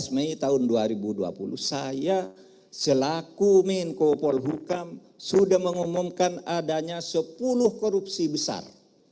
dua belas mei tahun dua ribu dua puluh saya selaku menko polhukam sudah mengumumkan adanya sepuluh korupsi besar